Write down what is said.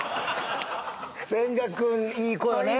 千賀君いい子よね